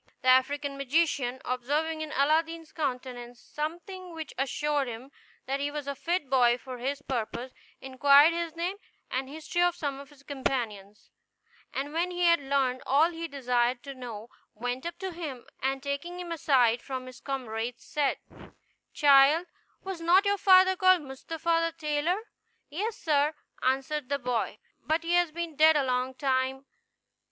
The African magician, observing in Aladdin's countenance something which assured him that he was a fit boy for his purpose, inquired his name and history of some of his companions; and when he had learned all he desired to know, went up to him, and taking him aside from his comrades, said, "Child, was not your father called Mustapha the tailor?" "Yes, sir," answered the boy; "but he has been dead a long time."